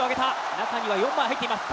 中には４枚入っています。